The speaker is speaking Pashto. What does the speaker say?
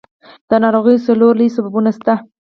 د ناروغیو څلور لوی سببونه شته.